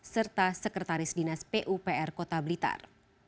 serta sekretaris dinas pupr kota blitar